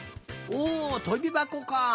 おとびばこかあ。